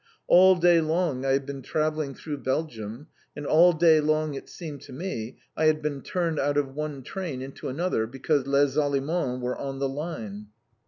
All day long I had been travelling through Belgium, and all day long, it seemed to me, I had been turned out of one train into another, because "les Allemands" were on the line.